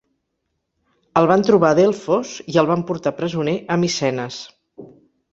El van trobar a Delfos i el van portar presoner a Micenes.